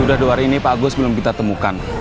sudah dua hari ini pak agus belum kita temukan